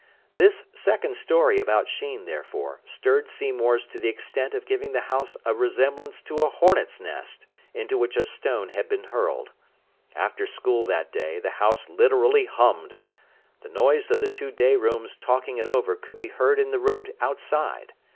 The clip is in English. This second story about Sheen, therefore, stirred Seymour's to the extent of giving the house a resemblance to a hornet's nest into which a stone had been hurled. After school that day the house literally hummed. The noise of the two day rooms talking it over could be heard in the road outside.